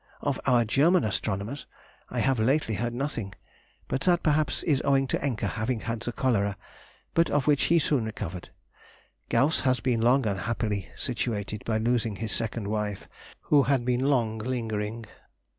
Of our German astronomers, I have lately heard nothing; but that, perhaps, is owing to Encke having had the cholera, but of which he soon recovered. Gauss has been long unhappily situated by losing his second wife, who had been long lingering....